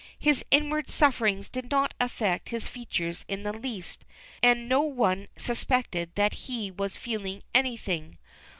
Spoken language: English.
His inward sufferings did not affect his features in the least, and no one suspected that he was feeling anything.